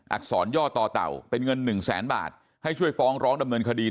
อักษรย่อต่อเต่าเป็นเงินหนึ่งแสนบาทให้ช่วยฟ้องร้องดำเนินคดี